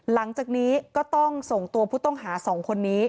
หลังจากนี้ก็ต้องส่งตัวผู้ต้องหา๒คนนี้